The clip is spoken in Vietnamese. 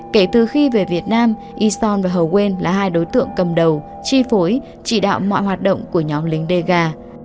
kể từ khi về việt nam ison và hờ quên là hai đối tượng cầm đầu chi phối chỉ đạo mọi hoạt động của nhóm lính dega